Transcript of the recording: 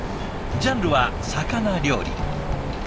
ジャンルは「魚料理」。